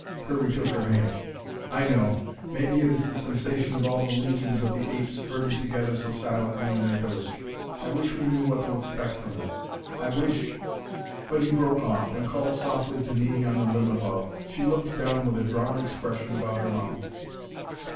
Kirby took her hand. "I know. Maybe it is the sensation of all the legions of the apes herded together so silently in their village. I wish we knew what to expect from them. I wish "But he broke off, and called softly to Nini on the limb above. She looked down with a drawn expression about her mouth.